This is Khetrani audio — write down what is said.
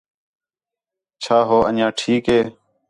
چَھا ہُو انجیاں ٹھیک ہے؟